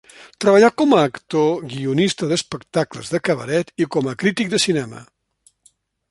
Treballà com a actor, guionista d'espectacles de cabaret i com a crític de cinema.